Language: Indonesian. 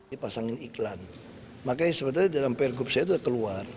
dipasangin iklan makanya sebetulnya dalam pergub saya itu keluar